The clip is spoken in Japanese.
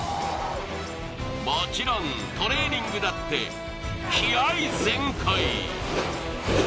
もちろんトレーニングだって気合い全開！